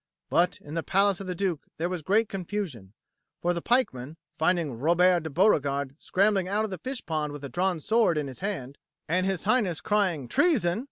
But in the palace of the Duke there was great confusion. For the pikemen, finding Robert de Beauregard scrambling out of the fish pond with a drawn sword in his hand, and His Highness crying "Treason!"